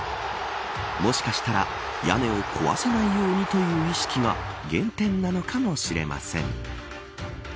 もしかしたら屋根を壊さないようにという意識が原点なのかもしれません。